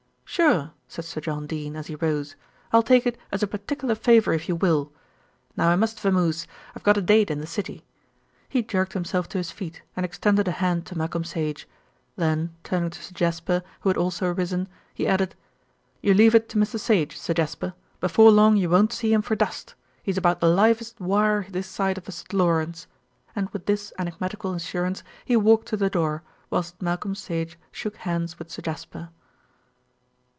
"Sure," said Sir John Dene as he rose. "I'll take it as a particular favour if you will. Now I must vamoose. I've got a date in the city." He jerked himself to his feet and extended a hand to Malcolm Sage. Then turning to Sir Jasper, who had also risen, he added, "You leave it to Mr. Sage, Sir Jasper. Before long you won't see him for dust. He's about the livest wire this side of the St. Lawrence," and with this enigmatical assurance, he walked to the door, whilst Malcolm Sage shook hands with Sir Jasper.